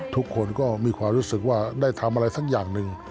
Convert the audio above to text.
ทุกคนก็มีความรู้สึกว่าได้ทำอะไรสักอย่างหนึ่ง